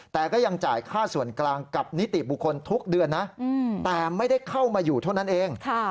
แต่ก็ยังจ่ายค่าส่วนกลางกับนิติบุคคลทุกเดือนนะแต่ไม่ได้เข้ามาอยู่เท่านั้นเอง